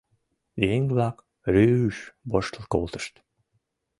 Еҥ-влак рӱж-ж воштыл колтышт.